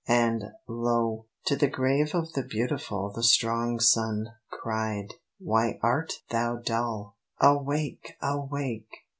And, lo! to the grave of the beautiful The strong sun cried, "Why art thou dull? Awake! awake!